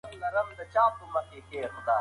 خورما ونې د سرپناه جوړولو لپاره هم مهمې دي.